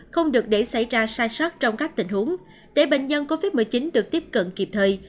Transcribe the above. không được để xảy ra sai sót trong các tình huống để bệnh nhân covid một mươi chín được tiếp cận kịp thời